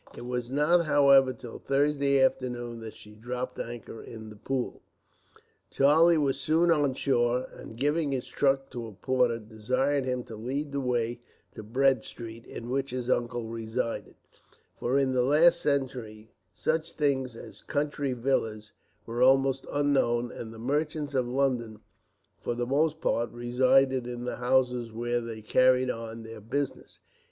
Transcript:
It was not, however, till Thursday afternoon that she dropped anchor in the Pool. Charlie was soon on shore, and giving his trunk to a porter, desired him to lead the way to Bread Street, in which his uncle resided; for in the last century, such things as country villas were almost unknown, and the merchants of London for the most part resided in the houses where they carried on their business.